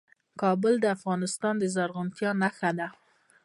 کابل د افغانستان د زرغونتیا نښه ده.